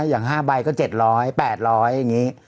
อย่าง๕ใบก็๗๐๐๘๐๐อย่างนี้